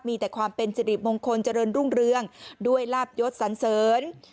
มีแต่ความเป็นสิริมงคลเจริญรุ่งเรืองด้วยลาบยศสันเสริญ